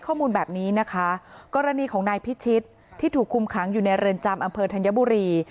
ข้อมูลแบบนี้นะคะกรณีของนายพิชิตที่ถูกคุมขังอยู่ในเรือนจำอำเภอธัญบุรี